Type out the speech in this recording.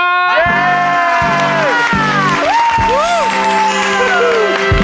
เย่